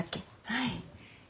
はい。